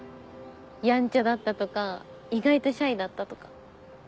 やんちゃだったとか意外とシャイだったとか。